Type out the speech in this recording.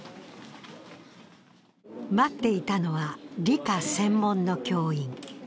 待っていたのは理科専門の教員。